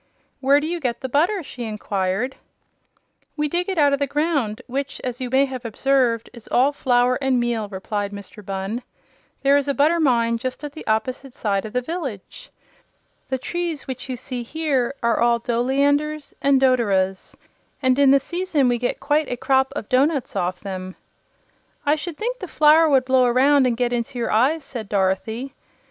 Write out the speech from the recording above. "Where do you get the butter?" she inquired. "We dig it out of the ground, which, as you may have observed, is all flour and meal," replied Mr. Bunn. "There is a butter mine just at the opposite side of the village. The trees which you see here are all doughleanders and doughderas, and in the season we get quite a crop of dough nuts off them." "I should think the flour would blow around and get into your eyes," said Dorothy.